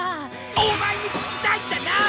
オマエに聞きたいんじゃない！